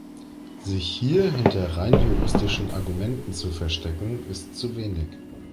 Sich hier hinter rein juristischen Argumenten zu verstecken, ist zu wenig.